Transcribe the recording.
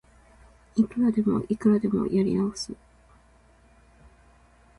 いくらでもいくらでもやり直す